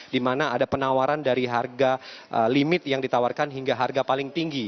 di mana ada penawaran dari harga limit yang ditawarkan hingga harga paling tinggi